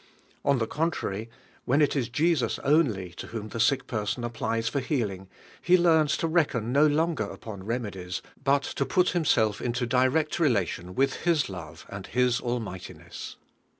On the con trary, when it is Jesus only to whom the siok person applies for healing, he learns to reckon no longer upon remedies, but to put himself into direci relation wiihh His loYe and His almigbtiness.